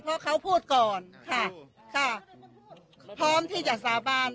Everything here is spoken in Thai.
เพราะเขาพูดก่อนค่ะค่ะพร้อมที่จะสาบาน